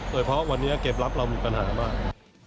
โดยเพราะวันนี้เกมรับเรามีปัญหามาก